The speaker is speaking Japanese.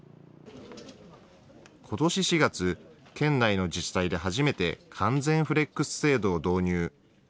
ことし４月、県内の自治体で初めて、完全フレックス制度を導入。